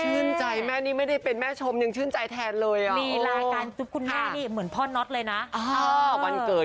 ใจแม่นี่ไม่ได้เป็นแม่ชมยังชื่นใจแทนเลยอ่ะ